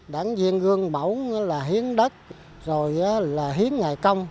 đảng viên gương mẫu là hiến đất rồi là hiến ngày công